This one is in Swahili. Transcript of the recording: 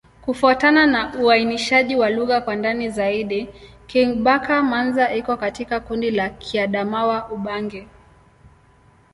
Kufuatana na uainishaji wa lugha kwa ndani zaidi, Kingbaka-Manza iko katika kundi la Kiadamawa-Ubangi.